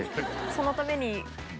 そのために。